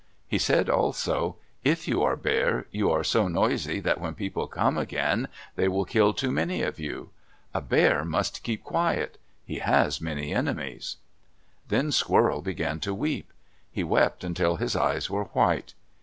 He said also, "If you are Bear, you are so noisy that when people come again, they will kill too many of you. A bear must keep quiet. He has many enemies." Then Squirrel began to weep. He wept until his eyes were white.